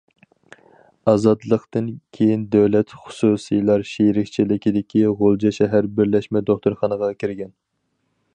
ئازادلىقتىن كېيىن دۆلەت خۇسۇسىيلار شېرىكچىلىكىدىكى غۇلجا شەھەر بىرلەشمە دوختۇرخانىغا كىرگەن.